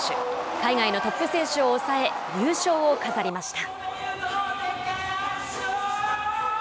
海外のトップ選手を抑え、優勝を飾りました。